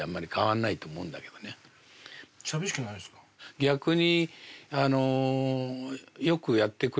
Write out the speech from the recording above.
逆に。